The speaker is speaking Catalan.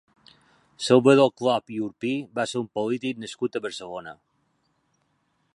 Salvador Clop i Urpí va ser un polític nascut a Barcelona.